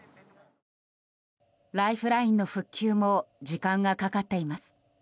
ライフラインの復旧も時間がかかっています。